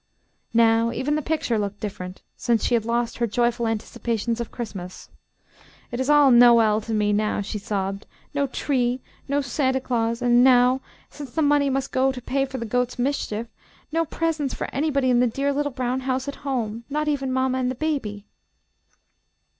Now, even the picture looked different, since she had lost her joyful anticipations of Christmas. "It is all No el to me now," she sobbed. "No tree, no Santa Claus, and now, since the money must go to pay for the goats' mischief, no presents for anybody in the dear little brown house at home, not even mamma and the baby!"